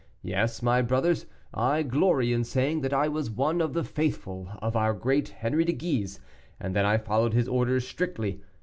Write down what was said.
Yes, my brothers, I glory in saying that I was one of the faithful of our great Henri de Guise, and that I followed his orders strictly.